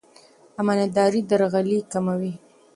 امانتداري درغلي کموي.